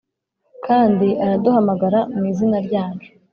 kandi araduhamagara mu izina ryacu.